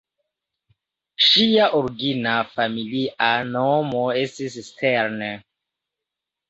Ŝia origina familia nomo estis "Stern".